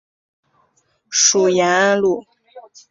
属延安路。